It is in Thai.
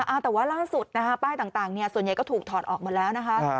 อ่ะแต่ว่าล่าสุดปลายต่างส่วนใหญ่ก็ถูกถอดออกหมดแล้ว